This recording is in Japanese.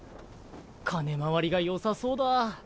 金回りがよさそうだぁ。